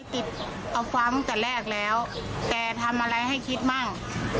ติดเอาฟ้าตั้งแต่แรกแล้วแกทำอะไรให้คิดมั่ง